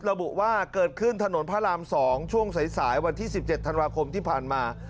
ระบุว่าเกิดขึ้นถนนพระราม๒ช่วงสายวันที่๑๗ธันวาคมที่ผ่านมา